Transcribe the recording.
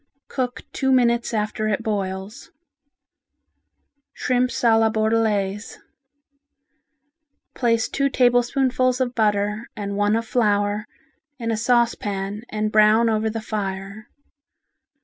Cook two minutes after it boils. Shrimps a la Bordelaise Place two tablespoonfuls of butter and one of flour in a saucepan and brown over the fire.